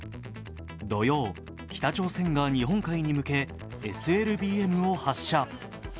土曜、北朝鮮が日本海に向け、ＳＬＢＭを発射。